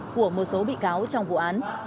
của một số bị cáo trong vụ án